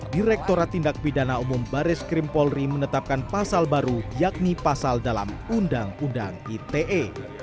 direkturat tindak pidana umum baris krim polri menetapkan pasal baru yakni pasal dalam undang undang ite